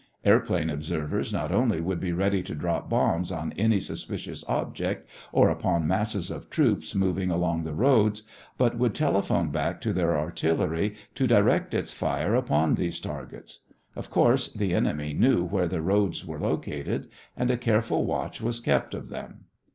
Airplane observers not only would be ready to drop bombs on any suspicious object or upon masses of troops moving along the roads, but would telephone back to their artillery to direct its fire upon these targets. Of course, the enemy knew where the roads were located and a careful watch was kept of them.